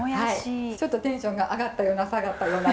ちょっとテンションが上がったような下がったような。